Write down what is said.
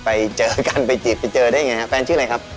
ไปเจอกันไปจีบไปเจอได้ยังไงฮะแฟนชื่ออะไรครับ